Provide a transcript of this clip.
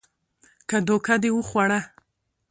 که دوکه دې وخوړه